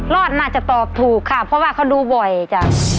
รอดน่าจะตอบถูกค่ะเพราะว่าเขาดูบ่อยจ้ะ